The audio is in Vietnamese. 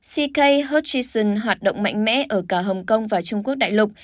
ck hutchinson hoạt động mạnh mẽ ở cả hồng kông và trung quốc đại lục